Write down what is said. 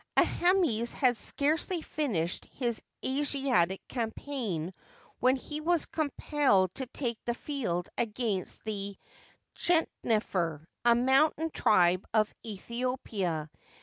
Aahmes had scarcely finished his Asiatic campaign when he was compelled to take the field against the ChenU nefer, a mountain tribe of Aethiopia.